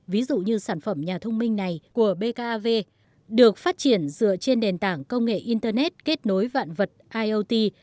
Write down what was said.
ví dụ như sản phẩm nhà thông minh này của bkav được phát triển dựa trên nền tảng công nghệ internet kết nối vạn vật iot